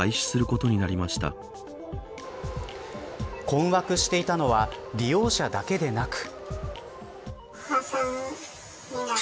困惑していたのは利用者だけでなく。